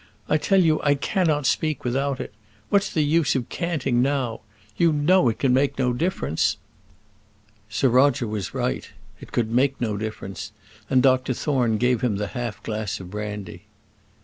I tell you I cannot speak without it. What's the use of canting now? You know it can make no difference." Sir Roger was right. It could make no difference; and Dr Thorne gave him the half glass of brandy.